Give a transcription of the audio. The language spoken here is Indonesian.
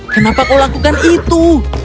kenapa kau lakukan itu